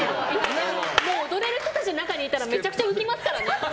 踊れる人たちの中にいたらめちゃくちゃ浮きますからね。